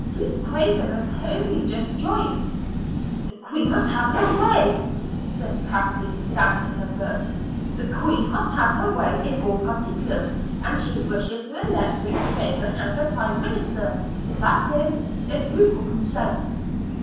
Ruth Craven has only just joined. "The queen must have her way," said Kathleen, stamping her foot. "The queen must have her way in all particulars, and she wishes to elect Ruth Craven as her Prime Minister that is, if Ruth will consent."